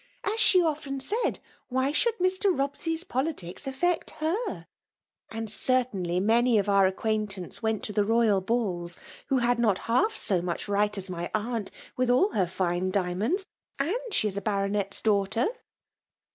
— ^As she often said, wl|y.{should Mr. Bobsey'a politics affect her ?• ^■aad certainly many of our acquaintanoe went to the xoyal balls^ who had not half so much ijgfat as my aunt, with aU her fine diampndp* « ^d ^he a Baronet's daughter."